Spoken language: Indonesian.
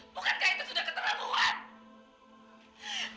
bukankah itu sudah keterlaluan